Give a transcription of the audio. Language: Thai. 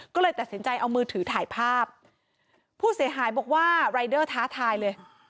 ก็เลยตัดสินใจเอามือถือถ่ายภาพผู้เสียหายบอกว่ารายเดอร์ท้าทายเลย